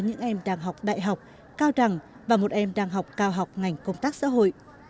những em đang học đại học cao đẳng và một em đang học cao học ngành công tác xã hội